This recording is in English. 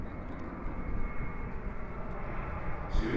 The origin of the name "Czar" is obscure.